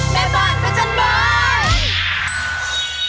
แม่บ้านพระจันทร์บ้าน